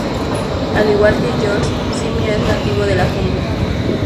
Al igual que George, Simio es nativo de la jungla.